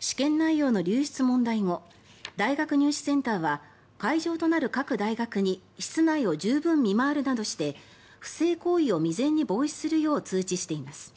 試験内容の流出問題後大学入試センターは会場となる各大学に室内を十分見回るなどして不正行為を未然に防止するよう通知しています。